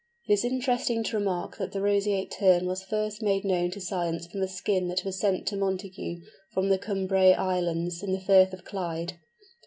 It is interesting to remark that the Roseate Tern was first made known to science from a skin that was sent to Montagu, from the Cumbrae Islands, in the Firth of Clyde.